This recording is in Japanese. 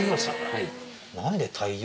はい。